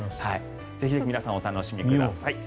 ぜひ皆さん楽しみにしてください。